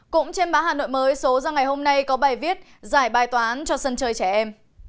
cũng trên bá hà nội mới số ra ngày hôm nay có bài viết giải bài toán cho sân chơi trẻ em